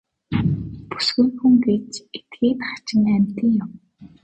Бүсгүй хүн гэж этгээд хачин амьтан юм.